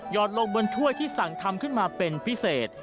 ลงบนถ้วยที่สั่งทำขึ้นมาเป็นพิเศษ